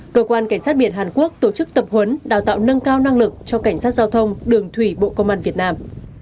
cơ quan cảnh sát biển hàn quốc tổ chức tập huấn đào tạo nâng cao năng lực cho cảnh sát giao thông đường thủy bộ công an việt nam